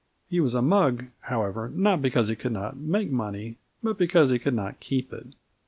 He was a mug, however, not because he could not make money, but because he could not keep it.